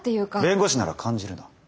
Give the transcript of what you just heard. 弁護士なら感じるな。